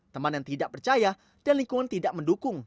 teman yang tidak percaya dan lingkungan tidak mendukung